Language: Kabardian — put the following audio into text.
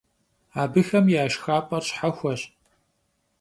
Абыхэм я шхапӀэр щхьэхуэщ.